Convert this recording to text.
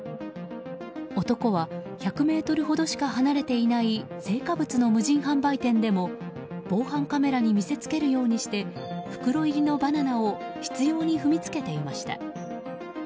男は１００ｍほどしか離れていない青果物の無人販売店でも防犯カメラに見せつけるようにして袋入りのバナナを執拗に踏みつけていました。